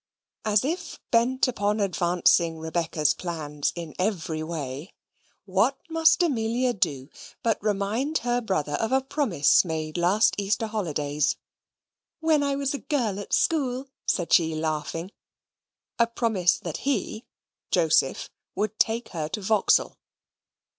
As if bent upon advancing Rebecca's plans in every way what must Amelia do, but remind her brother of a promise made last Easter holidays "When I was a girl at school," said she, laughing a promise that he, Joseph, would take her to Vauxhall.